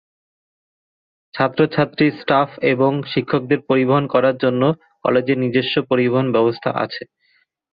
ছাত্র-ছাত্রী, স্টাফ এবং শিক্ষকদের পরিবহন করার জন্য কলেজের নিজস্ব পরিবহন ব্যবস্থা আছে।